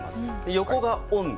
横が温度。